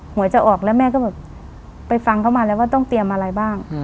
วยจะออกแล้วแม่ก็แบบไปฟังเขามาแล้วว่าต้องเตรียมอะไรบ้าง